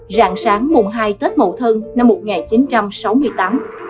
rạng sáng mùng hai tết mậu thân năm một nghìn chín trăm bảy mươi năm